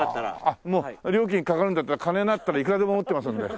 もう料金かかるんだったら金だったらいくらでも持ってますんで。